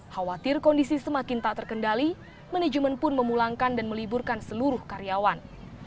khawatir kondisi semakin tak terkendali manajemen pun memulangkan dan meliburkan seluruh karyawan